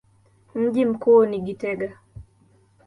Mji mkuu ni Gitega.